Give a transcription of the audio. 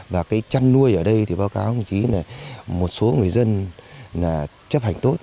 và cái chăn nuôi ở đây thì báo cáo một số người dân chấp hành tốt